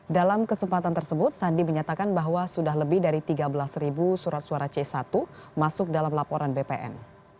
dalam kesempatan tersebut sandi menyatakan bahwa sudah lebih dari tiga belas surat suara c satu masuk dalam laporan bpn